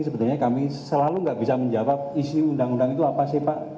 sebenarnya kami selalu nggak bisa menjawab isi undang undang itu apa sih pak